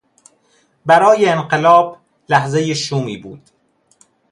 برای انقلاب لحظهی شومی بود.